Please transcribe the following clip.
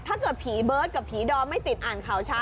ถ้าเกิดผีเบิร์ตกับผีดอมไม่ติดอ่านข่าวช้า